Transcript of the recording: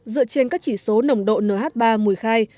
dựa trên các chỉ số nồng độ nh ba mùi khai